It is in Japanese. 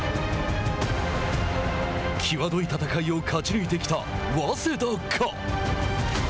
際どい戦いを勝ち抜いてきた早稲田か。